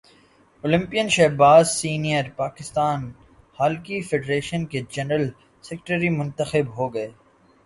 Olympian Shahbaz senior Pakistan hockey federation کے general secretary منتخب ہو گئے